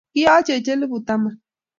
Kiyochech elpu taman.